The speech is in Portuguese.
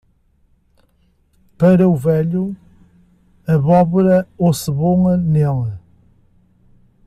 Para o velho, abóbora ou cebola nele.